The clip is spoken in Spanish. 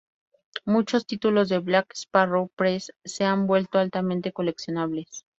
Muchos títulos de Black Sparrow Press se han vuelto altamente coleccionables.